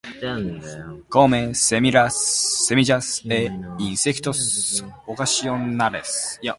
Come semillas e insectos ocasionales.